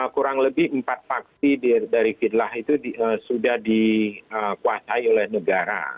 kurang lebih empat faksi dari kitlah itu sudah dikuasai oleh negara